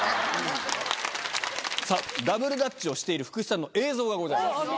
さぁダブルダッチをしている福士さんの映像がございます。